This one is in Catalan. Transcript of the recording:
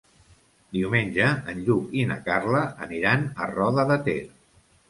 Diumenge en Lluc i na Carla aniran a Roda de Ter.